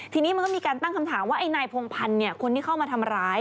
ทีนี้มันก็มีการตั้งคำถามว่าไอ้นายพงพันธ์คนที่เข้ามาทำร้าย